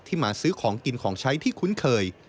มาซื้อของกินของใช้ที่คุ้นเคย